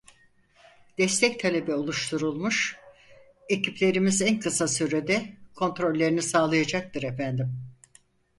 Destek talebi oluşturulmuş ekiplerimiz en kısa sürede kontrollerini sağlayacaktır efendim.